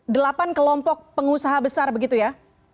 delapan kelompok pengusaha besar begitu ya